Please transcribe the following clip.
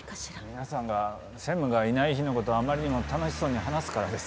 皆さんが専務がいない日の事をあまりにも楽しそうに話すからです。